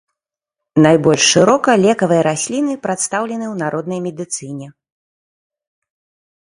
Найбольш шырока лекавыя расліны прадстаўлены ў народнай медыцыне.